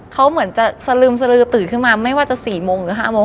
เขาเหมือนจะสลึมสลือตื่นขึ้นมาไม่ว่าจะ๔โมงหรือ๕โมง